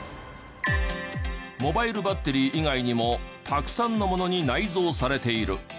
モバイルバッテリー以外にもたくさんのものに内蔵されている。